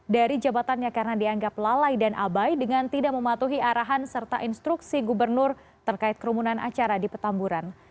dari jabatannya karena dianggap lalai dan abai dengan tidak mematuhi arahan serta instruksi gubernur terkait kerumunan acara di petamburan